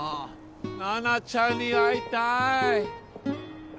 ナナちゃんに会いたい。